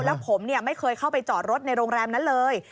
แล้วผมไม่เคยเข้าไปจอดรถในโรงแรมนั้นเลย